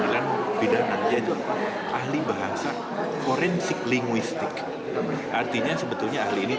jadi dia tidak kompeten